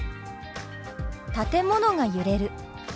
「建物が揺れる」。